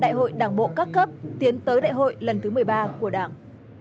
đại hội đảng bộ các cấp tiến tới đại hội lần thứ một mươi ba của đảng